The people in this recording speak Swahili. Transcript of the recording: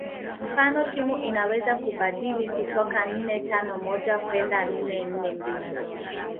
Mfano timu inaweza kubadili kutoka nne tano moja kwenda nne nne mbili